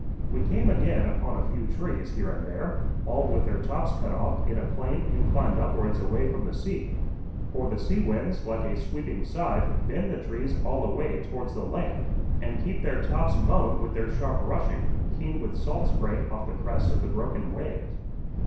We came again upon a few trees here and there, all with their tops cut off in a plane inclined upwards away from the sea. For the sea winds, like a sweeping scythe, bend the trees all away towards the land, and keep their tops mown with their sharp rushing, keen with salt spray off the crests of the broken waves.